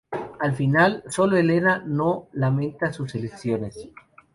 Al final, solo Helena no lamenta sus elecciones.